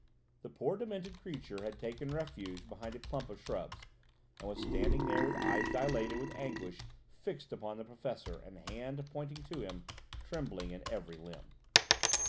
The poor demented creature had taken refuge behind a clump of shrubs, and was standing there with eyes dilated with anguish fixed on the Professor and hand pointing to him, trembling in every limb.